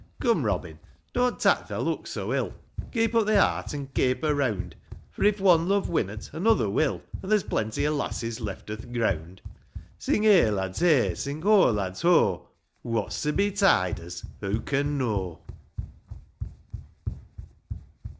Come, Robin ; don't tak' thy luck so ill ; Keep up thy heart, and caper round ; For if one love winnot another will, An' there's plenty o' lasses left o'th ground !" Sing heigh, lads, heigh ; sing ho, lads, ho ; What's to betide us who can know?